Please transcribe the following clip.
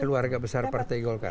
keluarga besar partai golkar